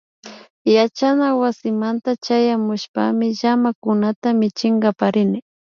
Yachanawasimanta chayamushpami llamakunata michinkapak rini